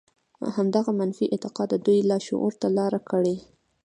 همدغه منفي اعتقاد د دوی لاشعور ته لاره کړې.